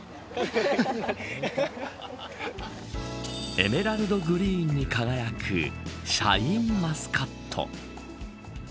エメラルドグリーンに輝くシャインマスカット。